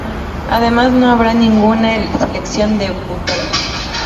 Además no habrá ninguna selección debutante.